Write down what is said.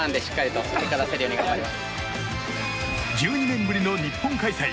１２年ぶりの日本開催